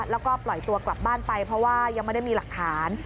แล้วก็ปล่อยตัวกลับบ้านไปเพราะว่ายังไม่ได้มีหลักฐาน